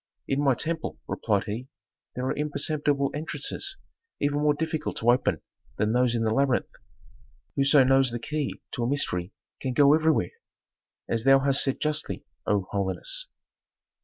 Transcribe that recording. "In my temple," replied he, "there are imperceptible entrances even more difficult to open than those in the labyrinth. Whoso knows the key to a mystery can go everywhere, as thou hast said justly, O holiness."